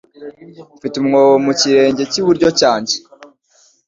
Mfite umwobo mu kirenge cy'iburyo cyanjye.